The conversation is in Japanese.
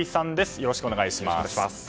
よろしくお願いします。